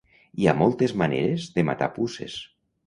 Hi ha moltes maneres de matar puces.